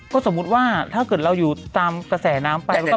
ก็สมมุติว่าถ้าเกิดเราอยู่ตามกระแสน้ำไป